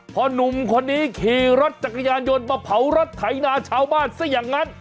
พอหนุ่มคนนี้ขี่รถจักรยานยนต์มาเผารถไถนาชาวบ้านซะอย่างนั้น